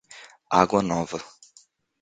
Água Nova